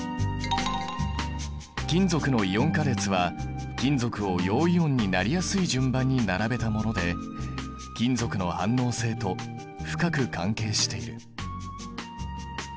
金属のイオン化列は金属を陽イオンになりやすい順番に並べたもので金属の反応性と深く関係している。